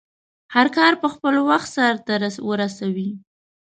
هرکار په خپل وخټ سرته ورسوی